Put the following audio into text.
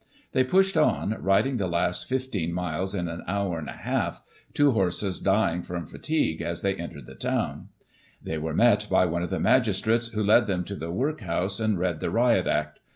They pushed on, riding the last 15 miles in an hour and a half, two horses dying from fatigue as they entered the town. They were met by one of the Magistrates, who led them to the Work house and read the Riot Act.